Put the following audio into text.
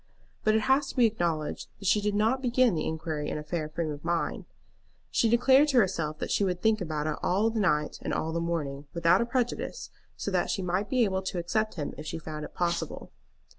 But it has to be acknowledged that she did not begin the inquiry in a fair frame of mind. She declared to herself that she would think about it all the night and all the morning without a prejudice, so that she might be able to accept him if she found it possible.